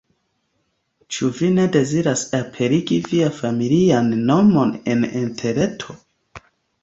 Ĉu vi ne deziras aperigi vian familian nomon en Interreto?